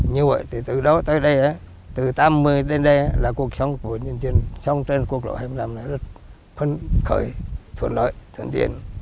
như vậy thì từ đó tới đây từ tám mươi đến đây là cuộc sống của dân trên quốc lộ hai mươi năm là rất phân khởi thuận lợi thuận tiện